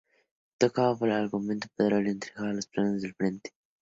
Tocado por el argumento, Pedro le entrega los planos del frente.